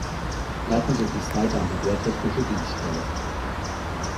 Leiten Sie dies weiter an die wehrtechnische Dienststelle.